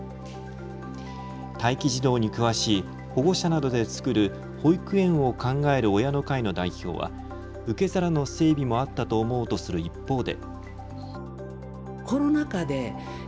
待機児童に詳しい保護者などで作る保育園を考える親の会の代表は、受け皿の整備もあったと思うとする一方で。